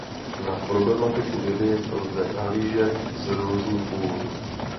Na problematiku vědy lze nahlížet z různých úhlů.